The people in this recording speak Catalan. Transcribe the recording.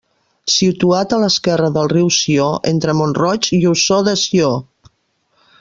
Situat a l'esquerra del riu Sió, entre Mont-roig i Ossó de Sió.